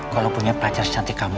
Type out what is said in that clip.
kalau punya pacar secantik kamu